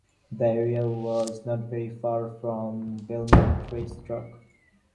The area was not very far from Belmont race track.